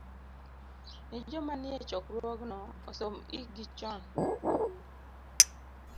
ni joma nie chokruogno osom, ikgi chon.